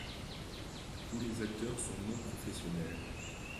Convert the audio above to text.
Tous les acteurs sont non-professionnels.